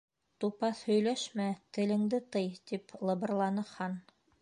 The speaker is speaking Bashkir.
—Тупаҫ һөйләшмә, телеңде тый, —тип лыбырланы Хан.